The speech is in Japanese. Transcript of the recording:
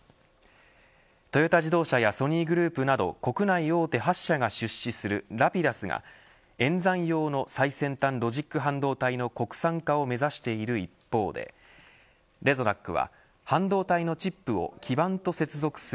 トヨタ自動車やソニーグループなど国内大手８社が出資するＲａｐｉｄｕｓが演算用の最先端ロジック半導体の国産化を目指している一方でレゾナックは半導体のチップを基板と接続する。